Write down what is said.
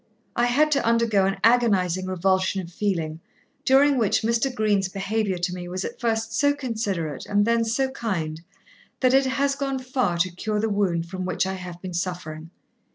I had to undergo an agonizing revulsion of feeling, during which Mr. Green's behaviour to me was at first so considerate and then so kind that it has gone far to cure the wound from which I have been suffering.